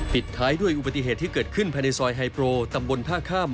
ปิดท้ายด้วยอุบัติเหตุที่เกิดขึ้นภายในซอยไฮโปรตำบลท่าข้าม